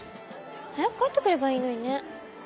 早く帰ってくればいいのにね。